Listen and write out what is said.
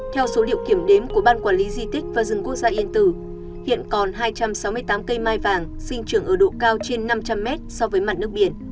theo số liệu kiểm đếm của ban quản lý di tích và rừng quốc gia yên tử hiện còn hai trăm sáu mươi tám cây mai vàng sinh trưởng ở độ cao trên năm trăm linh mét so với mặt nước biển